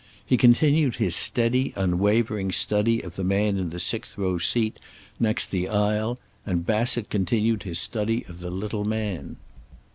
He continued his steady, unwavering study of the man in the sixth row seat next the aisle, and Bassett continued his study of the little man.